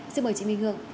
xin mời chị minh hương